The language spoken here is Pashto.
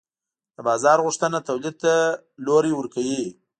د بازار غوښتنه تولید ته لوری ورکوي.